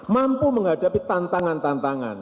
mampu menghadapi tantangan tantangan